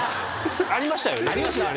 ありましたよね？